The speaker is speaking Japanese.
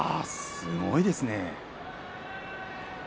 すごいですね。